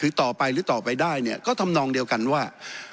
ต่อไปหรือต่อไปได้เนี่ยก็ทำนองเดียวกันว่า